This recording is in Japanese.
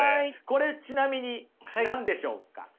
これちなみに何でしょうか？